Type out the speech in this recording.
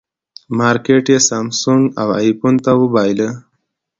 مارکېټ یې سامسونګ او ایفون ته وبایله.